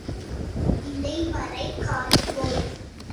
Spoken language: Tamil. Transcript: இலைமறை காய் போல்.